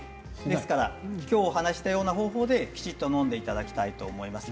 ですから、きょう話したような方法で、きちんとのんでいただきたいと思います。